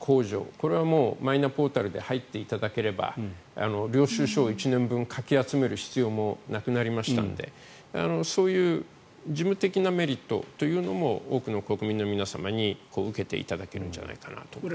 これはマイナポータルで入っていただければ領収書を１年分かき集める必要もなくなりましたのでそういう事務的なメリットというのも多くの国民の皆様に受けていただけるんじゃないかと思います。